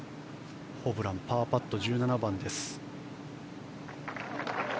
ホブランはパーパット、１７番。